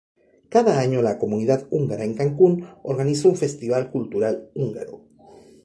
Cada año la comunidad húngara en Cancún organiza un Festival Cultural Húngaro.